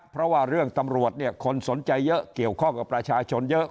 เพราะว่าเรื่องตำรวจเนี่ยคนสนใจเยอะเกี่ยวข้องกับประชาชนเยอะ